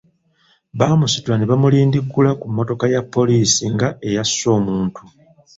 Baamusitula ne bamulindiggula ku mmotoka ya poliisi nga eyasse omuntu.